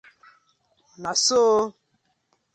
Na so ooo!